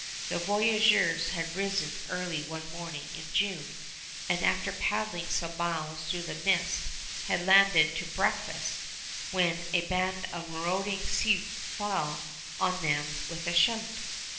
The voyageurs had risen early one morning in June, and after paddling some miles through the mist had landed to breakfast when a band of marauding Sioux fell on them with a shout.